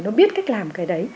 nó biết cách làm cái đấy